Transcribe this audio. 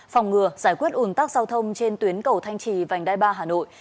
phòng ngừa giải quyết ủn tắc giao thông trên tuyến cầu thanh trì vành đai ba hà nội